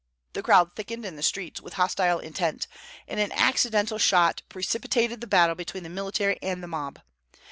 The crowd thickened in the streets, with hostile intent, and an accidental shot precipitated the battle between the military and the mob.